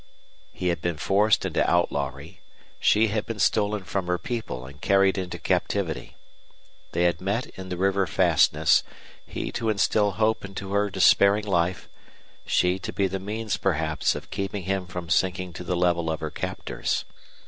He had been forced into outlawry; she had been stolen from her people and carried into captivity. They had met in the river fastness, he to instil hope into her despairing life, she to be the means, perhaps, of keeping him from sinking to the level of her captors.